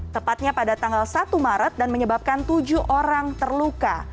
tepatnya pada tanggal satu maret dan menyebabkan tujuh orang terluka